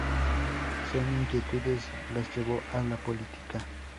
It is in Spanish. Sus inquietudes las llevó a la política.